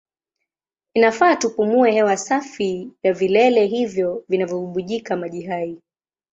Inafaa tupumue hewa safi ya vilele hivyo vinavyobubujika maji hai.